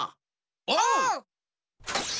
おう！